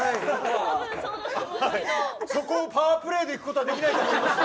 そこはパワープレーでいくことができないと思います。